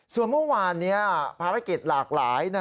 ส่วนเมื่อวานนี้ภารกิจหลากหลาย